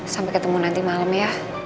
sampai ketemu nanti malam ya